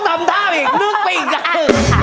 ต้องทำท่ามเองนึกไปอีกแล้ว